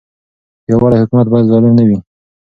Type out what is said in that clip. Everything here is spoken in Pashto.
پیاوړی حکومت باید ظالم نه وي.